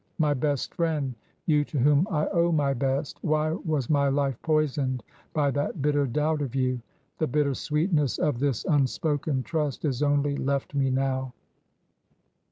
My best friend ! You to whom I owe my best — why was my life poisoned by that bitter doubt of you ? The bitter sweetness of this unspoken trust is only left me now."